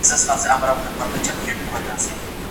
دود او رواج په ټولنه کي د زور بڼه ده.